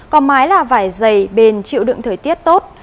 có mái là vải dày bền chịu đựng thời tiết tốt